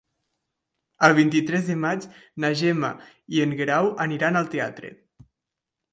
El vint-i-tres de maig na Gemma i en Guerau aniran al teatre.